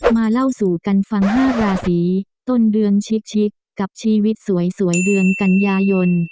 เล่าสู่กันฟัง๕ราศีต้นเดือนชิกกับชีวิตสวยเดือนกันยายน